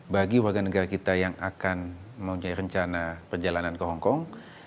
bagi warga negara kita yang akan mempunyai rencana perjalanan ke hongkong